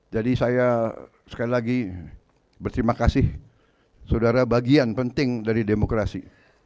jadi saya sekali lagi berterima kasih saudara bagian penting dari demokrasi